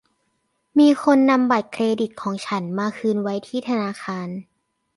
มีคนนำบัตรเครดิตของฉันมาคืนไว้ที่ธนาคาร